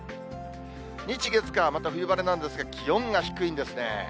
日、月、火、また冬晴れなんですが、気温が低いんですね。